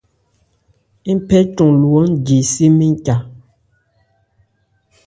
Ń phɛ cɔn lóó ń je se mɛ́n ca.